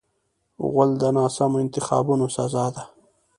غول د ناسمو انتخابونو سزا ده.